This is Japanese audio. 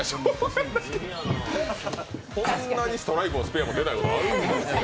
こんなにストライクもスペアも出ないことあるんですね。